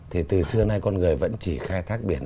thì từ xưa nay con người vẫn chỉ khai thác biển